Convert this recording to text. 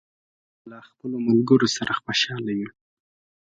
موږ له خپلو ملګرو سره خوشاله یو.